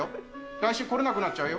来週、来れなくなっちゃうよ。